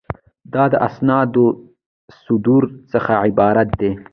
دا د اسنادو د صدور څخه عبارت دی.